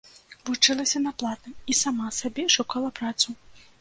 Вучылася на платным і сама сабе шукала працу.